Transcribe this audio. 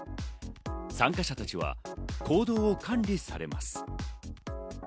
参加者たちは行動を管理されます。